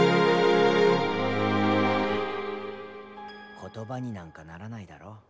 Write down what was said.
言葉になんかならないだろう？